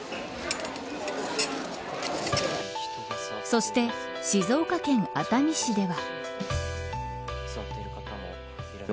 そして静岡県、熱海市では。